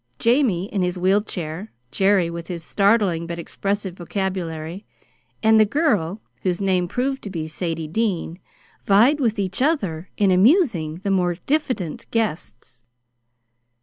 Jamie, in his wheel chair, Jerry with his startling, but expressive vocabulary, and the girl (whose name proved to be Sadie Dean), vied with each other in amusing the more diffident guests.